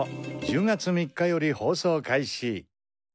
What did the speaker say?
１０月３日より放送開始。